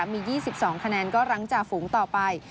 มี๒๒คะแนนก็รั้งจ่าฝูงต่อไป